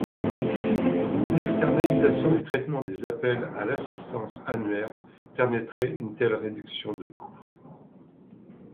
L'externalisation du traitement des appels à l'assistance annuaire permettait une telle réduction de coûts.